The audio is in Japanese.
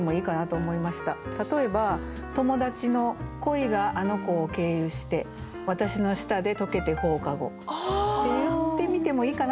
例えば「友達の恋があの子を経由してわたしの舌でとけて放課後」って言ってみてもいいかなって思いますね。